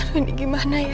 aduh ini gimana ya